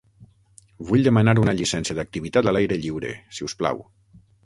Vull demanar una llicència d'activitat a l'aire lliure si us plau.